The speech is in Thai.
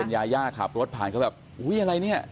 เป็นยาขับรถผ่านก็แบบอุ๊ยอะไรเนี่ย